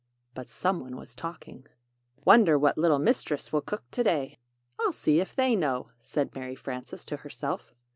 But some one was talking. "Wonder what little Mistress will cook to day." "I'll see if they know," said Mary Frances to herself.